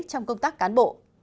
trong công tác cán bộ